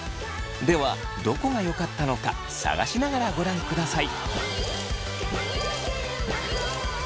ではどこがよかったのか探しながらご覧ください。